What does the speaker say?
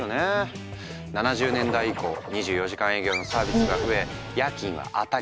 ７０年代以降２４時間営業のサービスが増え夜勤は当たり前。